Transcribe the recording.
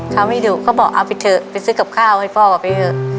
เขาไม่ดุก็บอกเอาไปเถอะไปซื้อกับข้าวให้พ่อไปเถอะ